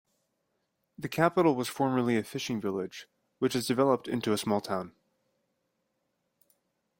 The capital was formerly a fishing village which has developed into a small town.